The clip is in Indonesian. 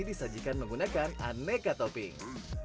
disajikan menggunakan aneka topping